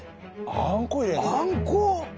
あんこ？